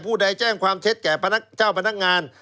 ผู้ใดแจ้งความเท็จแก่เจ้าพนักงาน